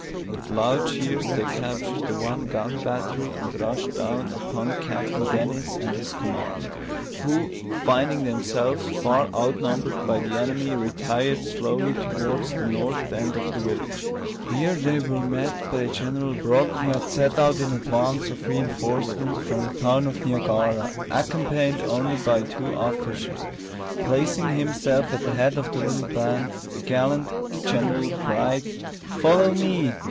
With loud cheers they captured the one gun battery, and rushed down upon Captain Dennis and his command; who, finding themselves far outnumbered by the enemy, retired slowly towards the north end of the village. Here they were met by General Brock, who had set out in advance of reinforcements from the town of Niagara, accompanied only by two officers. Placing himself at the head of the little band, the gallant general cried: "Follow me!"